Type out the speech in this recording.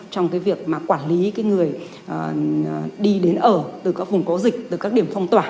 trong cái việc mà quản lý cái người đi đến ở từ các vùng có dịch từ các điểm phong tỏa